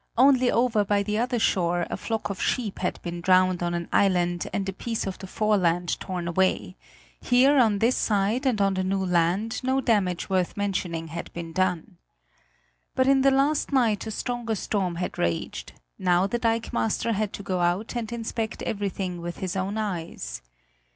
Only over by the other shore a flock of sheep had been drowned on an island and a piece of the foreland torn away; here on this side and on the new land no damage worth mentioning had been done. But in the last night a stronger storm had raged; now the dikemaster had to go out and inspect everything with his own eyes.